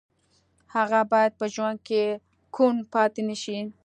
هغه باید په ژوند کې کوڼ پاتې نه شي